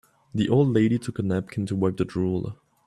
The old lady took her napkin to wipe the drool.